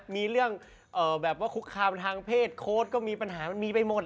มีเรื่องแบบว่าคุกคามทางเพศโค้ดก็มีปัญหามันมีไปหมด